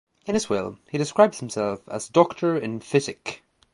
In his will, he describes himself as 'doctor in physick.